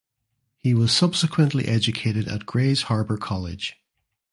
He was subsequently educated at Grays Harbor College.